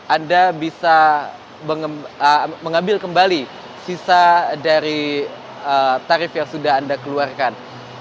anda bisa mengambil kembali sisa dari tarif yang sudah anda keluarkan